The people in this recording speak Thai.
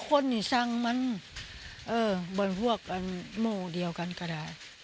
แต่คนนี่สั่งมันเอ่อบนพวกอันโมเดียวกันก็ได้